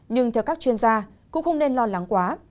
nhưng theo các chuyên gia cũng không nên lo lắng quá